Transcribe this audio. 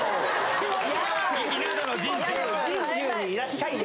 人中にいらっしゃいよ。